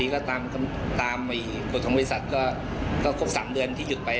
ก็ตามโทษทุนบริษัทก็หกสามเดือนที่หยุดไป